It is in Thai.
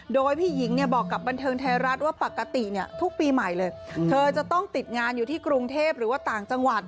โดยพี่หญิงเนี่ยบอกกับบันเทิงไทยรัฐว่าปกติเนี่ยทุกปีใหม่เลยเธอจะต้องติดงานอยู่ที่กรุงเทพหรือว่าต่างจังหวัด